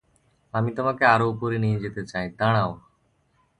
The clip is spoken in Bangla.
আমি তোমাকে আরও উপরে নিয়ে যেতে চাই, "দাঁড়াও!